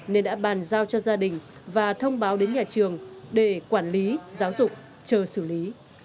nên đã bàn giao cho gia đình và thông báo đến nhà trường để quản lý giáo dục chờ xử lý